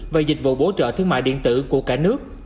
và dịch vụ bổ trợ thương mại điện tử của cả nước